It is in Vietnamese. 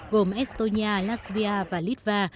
gồm estonia latvia và litva